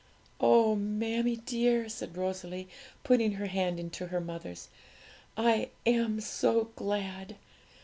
'Oh, mammie dear,' said Rosalie, putting her hand in her mother's, 'I am so glad!'